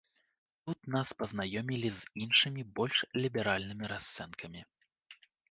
Тут нас пазнаёмілі з іншымі, больш ліберальнымі расцэнкамі.